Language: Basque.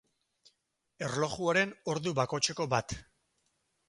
Erlojuaren ordu bakotxeko bat.